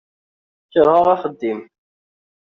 Keṛheɣ axeddim.